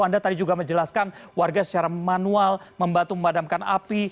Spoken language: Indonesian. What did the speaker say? anda tadi juga menjelaskan warga secara manual membantu memadamkan api